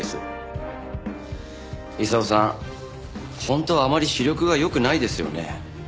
本当はあまり視力が良くないですよね？